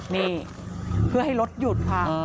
นี่เพื่อให้รถหยุดค่ะ